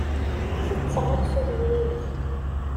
Tetteɣ aksum n yilef.